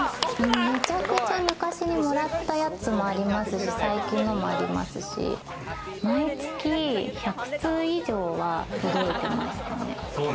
めちゃくちゃ昔にもらったやつもありますし、最近のもありますし、毎月１００通以上は届いてましたね。